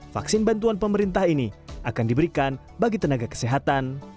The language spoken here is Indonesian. vaksin bantuan pemerintah ini akan diberikan bagi tenaga kesehatan